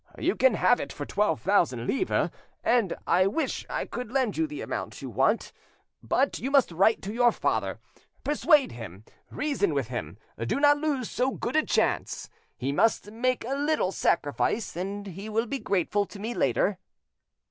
You can have it for twelve thousand livres, and I wish I could lend you the amount you want. But you must write to your father, persuade him, reason with him; do not lose so good a chance. He must make a little sacrifice, and he will be grateful to me later."